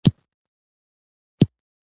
پر لوړو واوره اوکښته باران اوري.